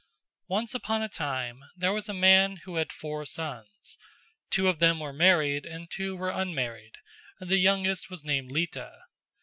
Once upon a time there was a man who had four sons: two of them were married and two were unmarried and the youngest was named Lita.